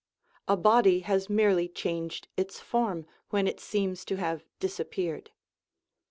A body has merely changed its form, when it seems to have disappeared.